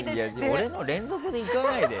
俺の連続でいかないですよ。